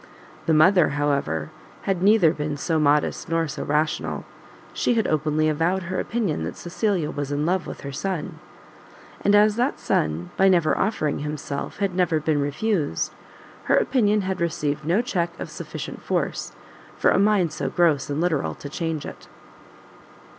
The mother, however, had neither been so modest nor so rational; she had openly avowed her opinion that Cecilia was in love with her son; and as that son, by never offering himself, had never been refused, her opinion had received no check of sufficient force, for a mind so gross and literal, to change it.